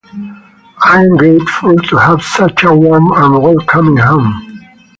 I am grateful to have such a warm and welcoming home.